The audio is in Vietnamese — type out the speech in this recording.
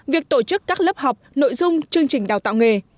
việc tổ chức các lớp học nội dung chương trình đào tạo nghề